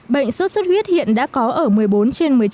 bệnh sốt xuất huyết hiện đã có ở một mươi bốn trên một mươi chín